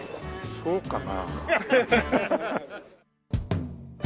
そうかな。